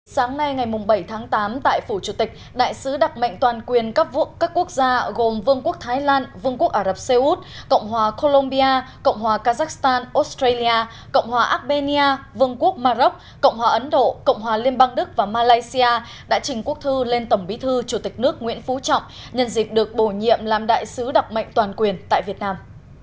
sáng nay ngày bảy tháng tám tại phủ chủ tịch đại sứ đặc mệnh toàn quyền các quốc gia gồm vương quốc thái lan vương quốc ả rập xê út cộng hòa colombia cộng hòa kazakhstan australia cộng hòa albania vương quốc maroc cộng hòa ấn độ cộng hòa liên bang đức và malaysia đã trình quốc thư lên tổng bí thư chủ tịch nước nguyễn phú trọng nhân dịp được bổ nhiệm làm đại sứ đặc mệnh toàn quyền tại việt nam